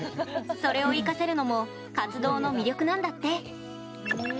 それを生かせるのも活動の魅力なんだって。